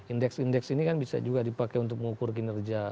indeks indeks ini kan bisa juga dipakai untuk mengukur kinerja